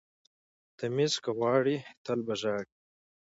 ـ تميز که غواړئ تل به ژاړئ.